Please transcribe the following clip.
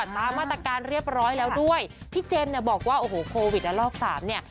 ตามมาตรการเรียบร้อยแล้วด้วยพี่เจมส์เนี่ยบอกว่าโอ้โหโควิดละลอกสามเนี่ย